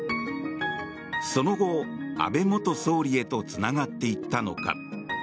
その後、安倍元総理へとつながっていったのか。